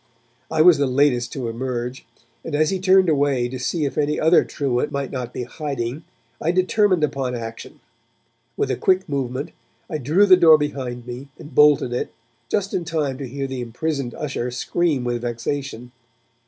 I was the latest to emerge, and as he turned away to see if any other truant might not be hiding, I determined upon action. With a quick movement, I drew the door behind me and bolted it, just in time to hear the imprisoned usher scream with vexation.